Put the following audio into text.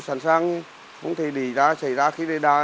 sẵn sàng không thể đi ra xảy ra khi đây ra